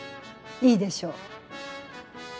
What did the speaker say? いいでしょう。